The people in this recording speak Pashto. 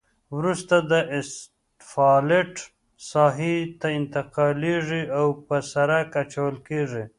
وروسته دا اسفالټ ساحې ته انتقالیږي او په سرک اچول کیږي